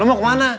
lo mau kemana